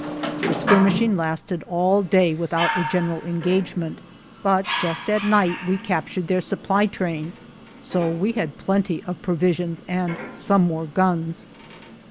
The skirmishing lasted all day with out a general engagement, but just at night we captured their supply train, so we had plenty of provisions and some more guns.